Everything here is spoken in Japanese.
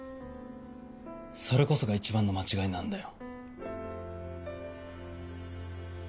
それこそが一番の間違いなんだよ。